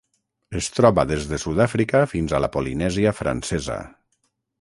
Es troba des de Sud-àfrica fins a la Polinèsia Francesa.